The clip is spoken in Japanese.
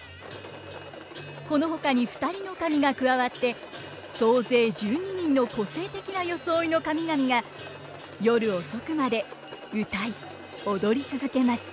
このほかに２人の神が加わって総勢１２人の個性的な装いの神々が夜遅くまで歌い踊り続けます。